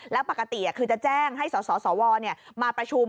แล้วปกติคือจะแจ้งให้สสวมาประชุม